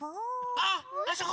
あっあそこ！